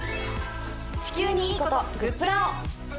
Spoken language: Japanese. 地球にいいこと、グップラを。